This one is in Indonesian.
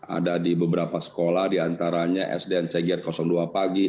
ada di beberapa sekolah diantaranya sdn cgr dua pagi